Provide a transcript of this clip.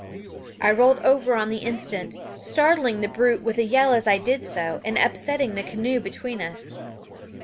I rolled over on the instant, startling the brute with a yell as I did so, and upsetting the canoe between us.